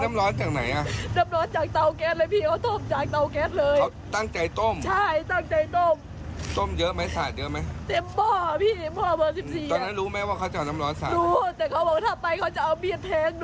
น้ำร้อนต้มจากเตาในเลย